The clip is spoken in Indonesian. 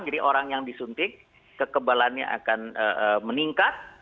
jadi orang yang disuntik kekebalannya akan meningkat